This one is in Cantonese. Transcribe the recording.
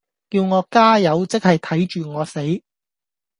叫我加油，即係睇住我死